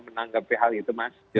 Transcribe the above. menanggapi hal itu mas